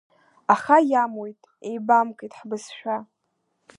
Аха иамуит, еибамкит ҳбызшәа.